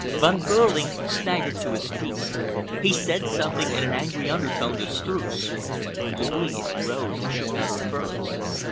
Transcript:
Von Behrling staggered to his feet. He said something in an angry undertone to Streuss. Louise rose and shook out her furs.